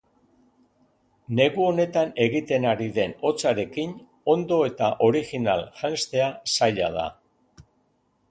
Negu honetan egiten ari den hotzarekin ondo eta original janztea zaila da.